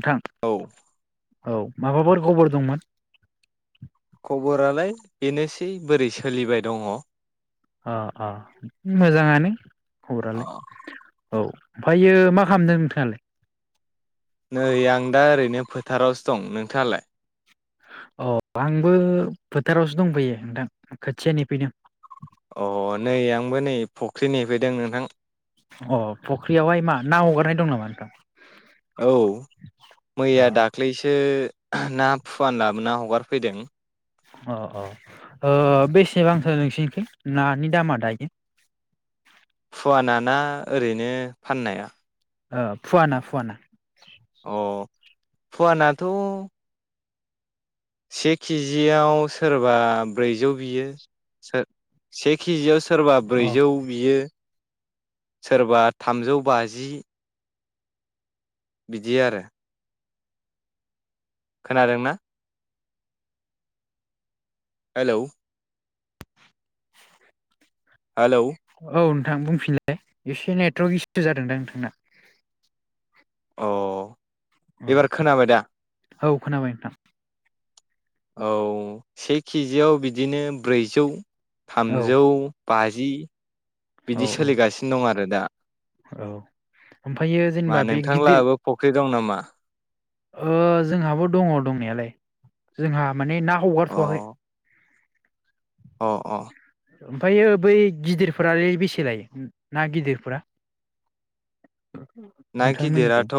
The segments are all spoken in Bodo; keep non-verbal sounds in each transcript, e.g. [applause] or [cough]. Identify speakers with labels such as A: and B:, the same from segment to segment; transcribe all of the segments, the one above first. A: नोंथां
B: औ।
A: औ माबाफोर खबर दंमोन?
B: खबरालाय बेनोसै बोरै सोलिबाय दङ
A: अ अ मोजाङानो। खबरालाय औ ओमफ्रायो मा खालामदों नोंथाङालाय?
B: नै आं दा ओरैनो फोथारावसो दं नोंथाङालाय?
A: अ आंबो फोथारावसो दंफैयो नोंथां खोथिया नेफैदों।
B: अ नै आंबो नै दिनि फैदों नोंथां।
A: अ फख्रियावहाय मा ना हगारनाय दं नामा नोंथां?
B: औ
A: अ
B: मैया दाख्लैसो ना फुवान हना हगारफैदों।
A: अ औ बेसेबांथो नोंसिोरनिखौ नानि दामा दायो?
B: फुवानाना ओरैनो फाननाया?
A: फुवाना फुवाना?
B: अ फुवानाथ' से किजियाव सोरबा ब्रैजौ बियो सोर से किजियाव सोरबा
A: अ
B: ब्रैजौ बियो। सोरबा थामजौ बाजि। बिदि आरो खोनादोंना? हेलौ
A: [inaudible]
B: हेलौ
A: थां बुंफिनलाय एसे नेटवर्क इसु जादोंदां नोंथांना।
B: अ एबार खोनाबाय दा
A: औ खोनाबाय नोंथां
B: औ से किजियाव बिदिनो ब्रैजौ
A: औ
B: थामजौ बाजि
A: औ
B: बिदि सोलिगासिनो दं आरो। आरो दा
A: औ ओमफ्रायो
B: मा
A: जेनेबा बे गिदिर
B: नोंथांलाहाबो फुख्रि दं नामा?
A: ओ जोंहाबो दङ दंनायालाय जोंहा। माने ना हगारथ'वाखै
B: अ-अ
A: ओमफ्रायो बै गिदिरफोरालाय बेसे लायो ना गिदिरफोरा?
B: ना
A: नोंथांमोननिखै
B: गिदिराथ'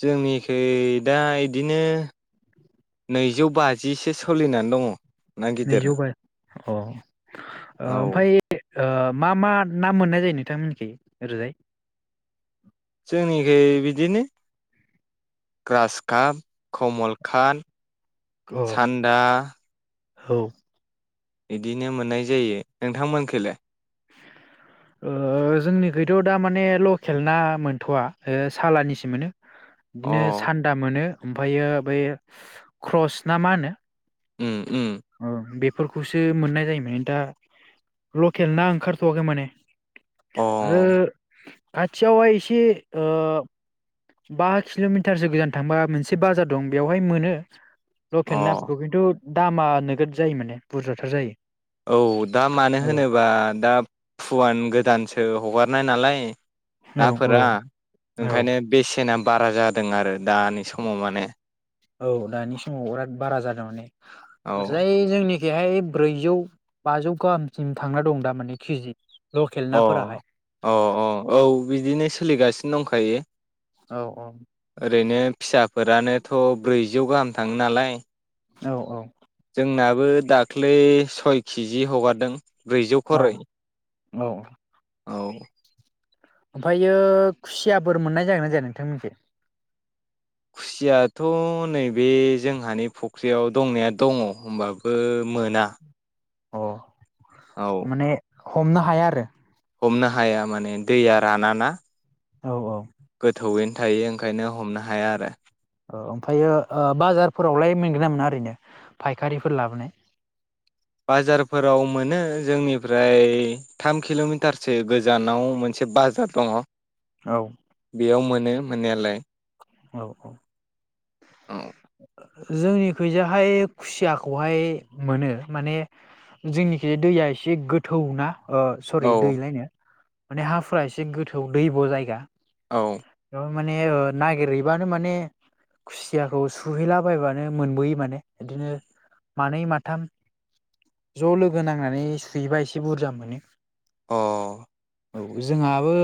B: जोंनिखै दा इदिनो नैजौ बाजिसो सोलिनानै दङ। नागिदिरा।
A: औ ओमफाय ओ मा मा ना मोननाय जायो नोंथां मोनिखै ओरैजाय?
B: जोंनिखै बिदिनो ग्रास काप कमल कात
A: अ
B: सान्दा
A: औ
B: बिदिनो मोननाय जायो। नोंथांमोनखैलाय
A: जोंनिखैथ' दा माने लकेल ना मोनथ'वा ओ सालानिसो मोनो
B: अ
A: बिदिनो सान्दा मोनो। ओमफ्रायो बै क्रस ना मा होनो?
B: उम उम
A: फोरखौसो मोननाय जायोमोन दा लकेल ना ओंखारथ'वाखै माने आरो
B: अ
A: खाथियावहाय एसे ओ बा किल'मिटारसो गोजान थांबा मोनसे बाजार दं बेवहाय मोनो
B: अ
A: लखेल नाफोरखौ खिनथु दामा नोगोद जायो माने बुरजाथार जायो
B: औ दा मानो
A: औ
B: होनोबा दा फुवान गोदान सो हगारनाय नालाय
A: औ औ
B: नाफोरा
A: औ
B: ओंखायनो बेसेना बारा जादों आरो दानि समाव माने
A: औ दानि समाव बिराद बारा जादों माने
B: औ
A: ओरैजाय जोंनि बेहाय ब्रैजौ बाजौ गाहामसिम थांना दं दा माने केजि लकेल
B: अ
A: नाफोराहाय
B: अ अ औ बिदिनो सोलिगासिनो दंखायो
A: औ औ
B: ओरैनो फिसाफोरानोथ' ब्रैजौ गाहाम थाङो नालाय
A: औ औ
B: जोंनाबो दाख्लै सय किजि हगारदों ब्रैजौ
A: औ
B: खरै
A: औ
B: औ
A: ओमफ्रायो खुसियाफोर मोननाय जागोना जाया नोंथांमोनथिं
B: खुसियाथ' नैबे जोंहानि फुख्रियाव दंनाया दङ होनबाबो मोना
A: औ
B: औ
A: माने हमनो हाया आरो
B: हमनो हाया माने दैया राना ना
A: औ औ
B: थायो ओंखायनो हमनो हाया आरो
A: औ ओमफ्रायो बाजारफोरावलाय मोनगोन ना मोना ओरैनो फायखारिफोर लाबोनाय
B: बाजारफोराव मोनो जोंनिफ्राय थाम किल'मिटारसो गोजानाव मोनसे बाजार दङ
A: औ
B: बेयाव मोनो मोनो मोननायालाय
A: औ औ
B: औ
A: जोंनिखैजाहाय खुसियाखौहाय मोनो माने जोंनिखि दैया एसे गोथौ ना अ सरि दै लायनो माने हाफोरा एसे गोथौ दैब' जायगा
B: औ
A: बेयाव माने नागिरहैबानो माने खुसिया, सुहैलाबायबानो मोनबोयो माने बिदिनो मानै माथाम ज' लोगो नांनानै सुहैबा एसे बुरजा मोनो,
B: अ
A: औ जोंहाबो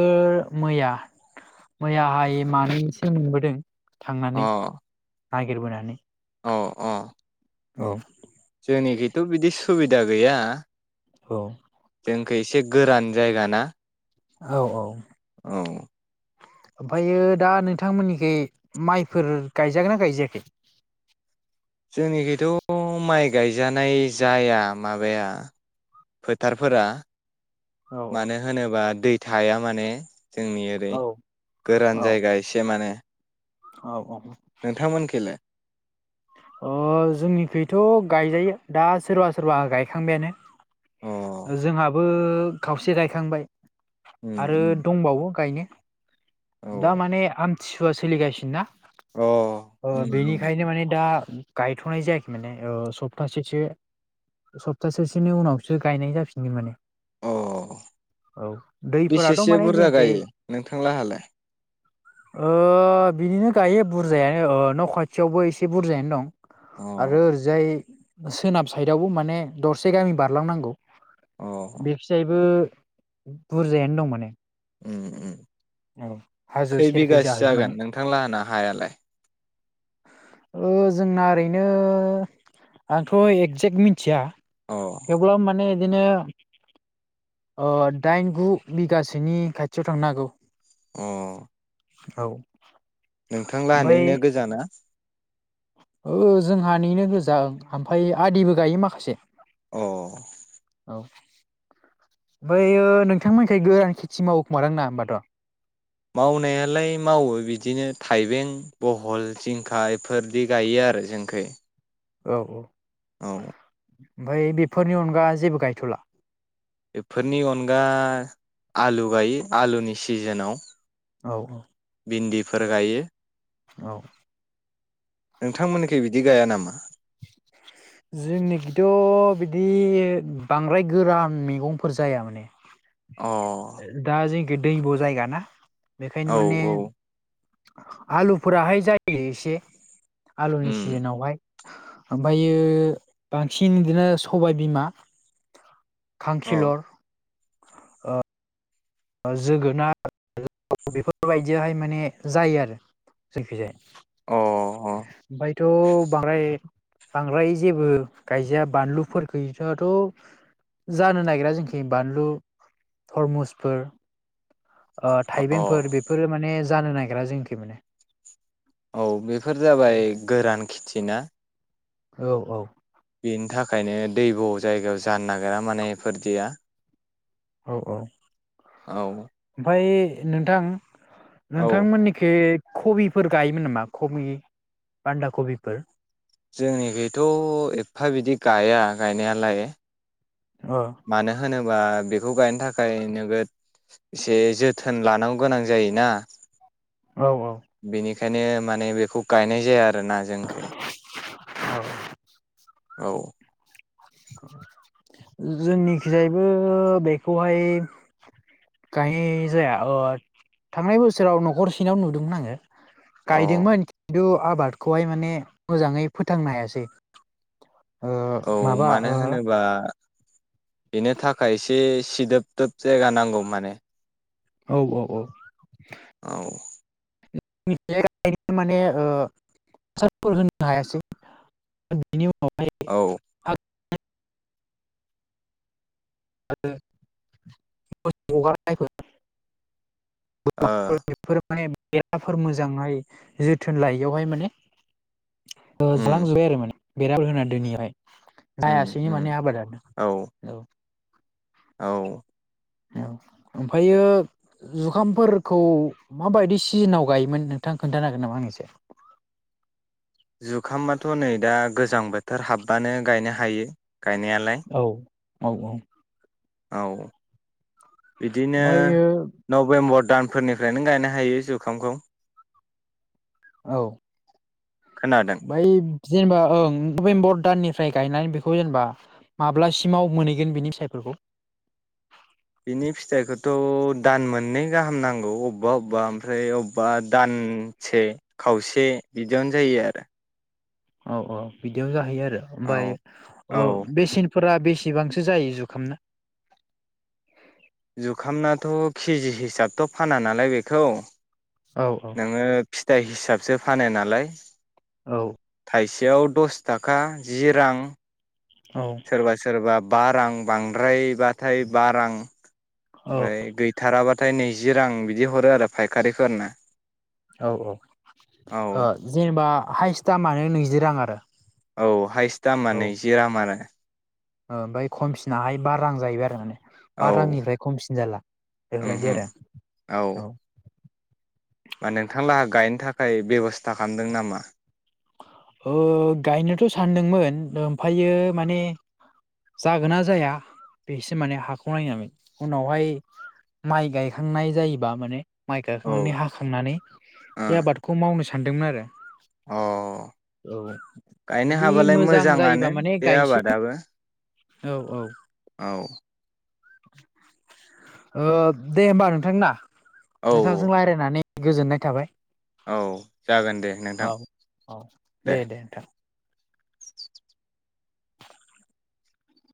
A: मैया मैयाहाय मानैसो मोनबोदों, थांनानै
B: अ
A: नागिरबोनानै,
B: अ अ
A: औ
B: जोंनिखैथ' बिदि सुबिदा गैया।
A: औ
B: जोंखै एसे गोरान जायगा ना?
A: औ औ
B: औ
A: ओमफ्रायो दा नोंथांमोननिखै माइफोर गायजागोन ना गायजायाखै?
B: जोंनिखथ' माइ गायजानाय जाया माबाया फोथारफोरा,
A: औ
B: मानो होनोबा दै, थाया माने, जोंनि ओरै
A: औ
B: गोरान जायगा एसे माने,
A: औ औ
B: नोंथां मोनखैलाय?
A: अ जोंनिखैथ' गायजायो दा सोरबा सोरबा गायखांबायानो,
B: अ
A: जोंहाबो खावसे गायखांबाय
B: उम
A: आरो
B: उम
A: दंबावो गायनो
B: औ
A: दा माने आम थिसुवा सोलिगासिनो ना,
B: अ
A: अ
B: उम उम
A: बेनिखायनो माने दा, गायथ'नाय जायाखै माने सप्तासेसो सप्तासेसोनि उनावसो गायनाय जाफिनगोन माने,
B: अ
A: औ दैफोराथ'
B: बेसेसो
A: माने
B: बुरजा
A: जोंनिखै
B: गायो नोंथां लोंहालाय,
A: ओ बिदिनो गायो बुरजायानो न' खाथियावबो एसे बुरजायानो दं।
B: अ
A: आरो ओरैजाय सोनाब साइदावबो माने दरसे गामि बारलांनांगौ,
B: अ
A: बेखिजायबो, बुरजायानो दं माने,
B: उम उम
A: औ हाजो सेरखै
B: खैबिगासो
A: जाहैयो
B: जागोन
A: माने
B: नोंथां लोंहाना हायालाय,
A: ओ जोंना ओरैनो आंथ' एगजेक्ट मिथिया
B: अ
A: थेवब्लाबो माने बिदिनो ओ दाइन गु बिगासोनि खाथियाव थांनो हागौ
B: अ
A: औ
B: नोंथां
A: ओमफ्राय
B: लाहानिनो गोजानना?
A: ओ जोंहानिनो गोजां ओमफ्राय आदिबो गायो माखासे
B: अ
A: ओमफायो नोंथांमोनसाय गोरान खेथि मावखोमादां ना होमबाथ'?
B: मावनायालाय मावो बिदिनो थाइबें बहल जिंखा बेफोरदि गायो आरो जोंखै ।
A: औ औ
B: औ
A: ओमफ्राय बेफोरनि अनगा जेबो गायथ'ला?
B: बेफोरनि अनगा आलु गायो आलुनि सिजोनाव
A: औ औ।
B: भिन्दिफोर गायो
A: औ‌।
B: नोंथांमोननिखे बि बिदि गाया नामा?
A: जोंनिखिथ' बिदि बांद्राय गोरान मैगंफोर जाया माने
B: अ
A: दैबो' जायगा ना बेखायनो
B: औ
A: माने
B: औ
A: आलु फोहाय जायो एसे आलुनि
B: उम
A: सिजोनावहाय ओमफ्रायो बांसिन बिदिनो सबायाइबिमा
B: अ
A: खांखिलर अ जोगोनार बेफोरबायदियावहाय माने जायो आरो जोंनिखैजाया
B: अ
A: बायथ' बांद्राय बांद्राय जेबो गायजाया बानलुखथथ' जानो नागिरा जोंखि बानलु थरमुस फोर
B: अ
A: थाइबेंफोर बेफोरो माने जानो नागिरा जोंखि माने
B: औ बेफोर जाबाय गोरान खेथि चिना [unintelligible]
A: औ औ
B: बेनि थाखायनो दैब' जायगायाव जानो नागिरा माने एफोरदिया
A: औ औ ओमफाय नोंथां
B: औ
A: नोंथांमोननिखे कबिफोर गायोमोन नामा कबि बान्दा कबिफोर?
B: जोंनिखथ' एफा बिदि गाया गायनायालाय।
A: अ
B: मानो होनोबा बेखौ गायनो थाखाय नोगोद एसे जोथोन लानांगौ गोनां जायोना।
A: औ औ
B: ओंखायनो माने बेखौ गायनाय जाया आरो ना जों खै
A: औ
B: औ
A: जोंनिखिजायैबो बेखौहाय गायनाय जाया थांनाय बोसोराव न'खरसेनाव नुदोंमोन आङो
B: अ
A: गायदोंमोन खिन्थु आबादखौहाय माने मोजाङै फोथांनो हायासै। ओ
B: औ
A: माबा
B: मानो?
A: ओ
B: होनोबा बेनो थाखाय एसे सिदोब दोब जायगा नांगौ माने।
A: औ औ औ
B: औ
A: [unintelligible]
B: औ ओ
A: [unintelligible] [unintelligible] [unintelligible] बेफोर माने बेलाफोर मोजांहाय जोथोन लायैयावहाय माने ओ
B: उम
A: जालां जोबबाय आरो माने बेराफोर होना दोनिआवहाय।
B: उम
A: आयासिनो
B: उम
A: माने आबादानो।
B: औ औ
A: औ ओमफायो जुखामफोरखौ माबायदि सिजोनाव गायोमोन नोंथां खोन्थानो हागोन नामा आंनो एसे?
B: जुखामाथ' नै दा गोजां बोथोर हाबबानो गायनो हायो। गायनायालाय।
A: औ औ औ।
B: औ बिदिनो
A: ओमफ्रायो
B: नभेम्बर दानफोरनिफ्रायनो गायनो हायो जुखामखौ।
A: औ
B: खोनादों
A: बाय जेनबा ओं नभेम्बर दाननि फ्राय गायनानै बेखौ जेनेबा माब्लासिमाव मोनहैगोन बेनि फिसायफोरखौ?
B: बिनि फिथाइखौथ' दान मोननै गाहाम नांगौ अबेबा अबेबा ओमफ्राय अबेबा दानसे खावसे बिदियावनो जायो आरो।
A: औ औ बिदियाव जाहैयो आ रो
B: आरो
A: आमफाय
B: औ
A: ओ बेसेन फोरा बेसेबांसो जायो जुखामना?
B: जुखामनाथ' केजि हिसाबथ' फाना नालाय बेखौ,
A: औ
B: नोङो फिथाइ हिसाब सो फानो नालाय।
A: औ।
B: थायसेयाव दस ताखा जि रां सोरबा सोरबा बा रां बांद्रायबाथाय बा रां
A: औ
B: फ्राय गैथाराबा थाय नैजि रां बिदि हरो आरो फायखारिफोरनो।
A: औ औ
B: औ
A: ओ जेनेबा हाइस्ट दामानो नैजि रां आरो।
B: औ हायस्ट दामानो नैजिराम आरो।
A: ओमफाय खमसिनाहाय बा रां जाहैबाय आरो माने। बा
B: औ
A: रांनिफ्राय खमसिन जाला बेफोरबायदि
B: ओमहो
A: आरो, औ।
B: मा नोंथां लाहा गायनो थाखाय बेब'स्था खालामदों नामा?
A: ओ गायनोथ' सानदोंमोन ओमफायो माने जागोना जाया बेसो माने हाखौ नायनानै उनावहाय माइ गायखांनाय जायोबा माने माइ
B: औ
A: गाखांनानै हाखांनानै बे आबादखौ मावनो सा सान्दोंमोन आरो
B: अ अ
A: औ
B: गायनो
A: जुदि
B: हाबालाय
A: मोजां जायोबा
B: मोजाङानो
A: माने
B: बे
A: गायसै
B: आबादाबो।
A: औ औ।
B: औ।
A: ओ दे होमबा नोंथां ना?
B: औ औ
A: नोंथांजों रायलायनानै गोजोननाय थाबाय।
B: औ। जागोन दे नोंथां
A: औ औ दे दे नोंथां।